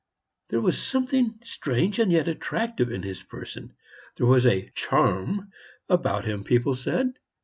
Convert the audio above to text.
There was something strange and yet attractive in his person; there was a "charm" about him, people said.